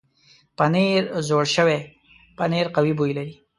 پنېر زوړ شوی پنېر قوي بوی لري.